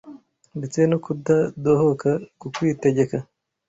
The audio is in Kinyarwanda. ndetse no kutadohoka ku kwitegeka,